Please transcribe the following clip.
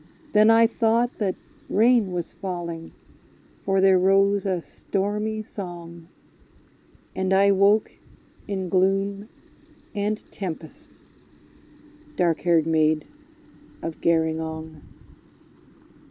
Then I thought that rain was falling, for there rose a stormy song, And I woke in gloom and tempest, dark haired Maid of Gerringong!